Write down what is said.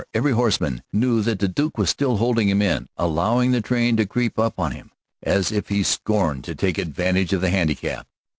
Every horseman there knew that the Duke was still holding him in, allowing the train to creep up on him as if he scorned to take advantage of the handicap.